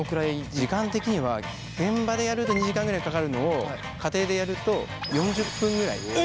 時間的には現場でやると２時間ぐらいかかるのを家庭でやると４０分ぐらい３分の１ぐらいでできる。